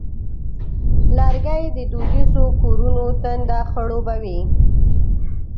لرګی د دودیزو کورونو تنده خړوبوي.